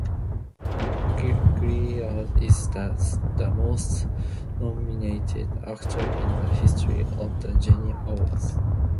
Girard is the most-nominated actor in the history of the Genie Awards.